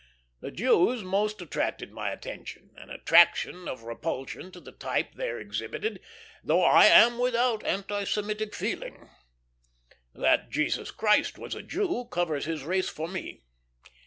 The Jews most attracted my attention an attraction of repulsion to the type there exhibited, though I am without anti Semitic feeling. That Jesus Christ was a Jew covers His race for me.